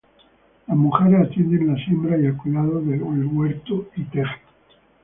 Las mujeres atienden la siembra y el cuidado del huerto y tejen.